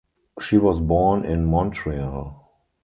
She was born in Montreal.